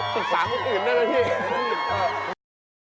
ศึกษาคนอื่นได้เลยพี่